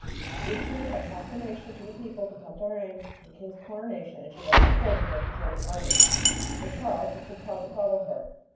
She issued a proclamation to the people to come to Rheims to the King's Coronation, and she left the Court again to join the army, where Charles was compelled to follow her.